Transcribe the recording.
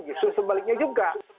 disuruh sebaliknya juga